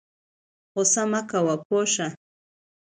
غوسه مه کوه پوه شه